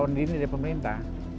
kenapa tidak ada pemerintah